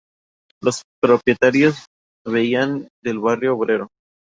Los propietarios venían del Barrio Obrero.